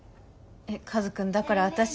えっカズくんだから私。